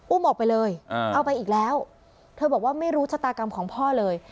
ออกไปเลยเอาไปอีกแล้วเธอบอกว่าไม่รู้ชะตากรรมของพ่อเลย